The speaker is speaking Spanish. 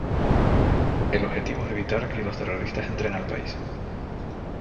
El objetivo es evitar que los terroristas entren al país.